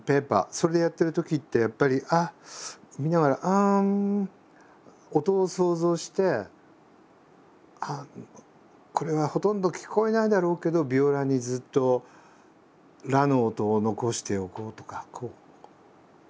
それでやってるときってやっぱり見ながら音を想像してこれはほとんど聞こえないだろうけどヴィオラにずっと「ラ」の音を残しておこうとか。